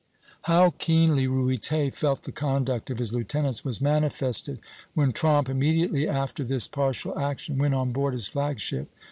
How keenly Ruyter felt the conduct of his lieutenants was manifested when "Tromp, immediately after this partial action, went on board his flagship.